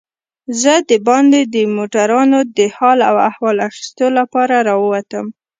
زه دباندې د موټرانو د حال و احوال اخیستو لپاره راووتم.